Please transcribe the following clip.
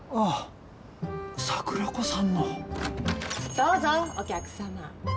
どうぞお客様。